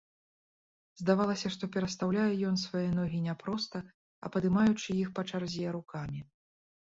Здавалася, што перастаўляе ён свае ногі не проста, а падымаючы іх па чарзе рукамі.